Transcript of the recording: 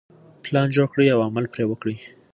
پلان جوړ کړئ او عمل پرې وکړئ.